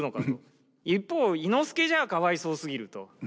一方伊之助じゃかわいそうすぎると。